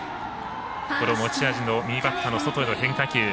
持ち味の右バッターの外への変化球。